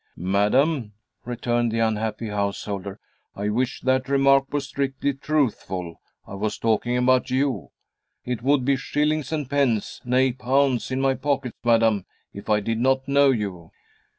"Madam," returned the unhappy householder, "I wish that remark were strictly truthful. I was talking about you. It would be shillings and pence nay, pounds, in my pocket, madam, if I did not know you."